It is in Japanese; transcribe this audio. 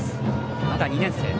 まだ２年生。